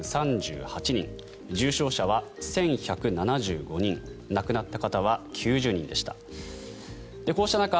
人重症者は１１７５人亡くなった方は９０人でした。